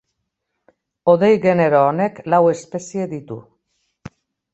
Hodei genero honek lau espezie ditu.